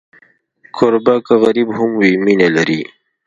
کوربه که غریب هم وي، مینه لري.